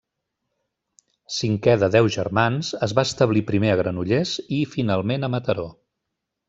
Cinquè de deu germans, es va establir primer a Granollers i finalment a Mataró.